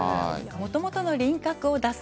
もともとの輪郭を出す。